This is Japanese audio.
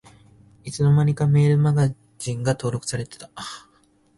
いつの間にかメールマガジンが登録されてた